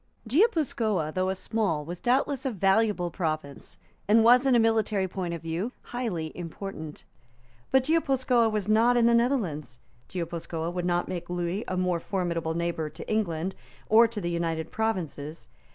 Guipuscoa, though a small, was doubtless a valuable province, and was in a military point of view highly important. But Guipuscoa was not in the Netherlands. Guipuscoa would not make Lewis a more formidable neighbour to England or to the United Provinces.